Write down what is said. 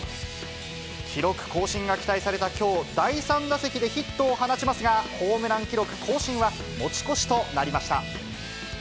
記録更新が期待されたきょう、第３打席でヒットを放ちますが、ホームラン記録更新は持ち越しとなりました。